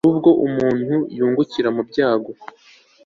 hari ubwo umuntu yungukira mu byago